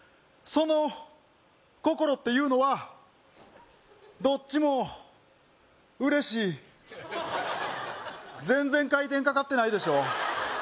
その心っていうのはどっちも嬉しい全然回転かかってないでしょ？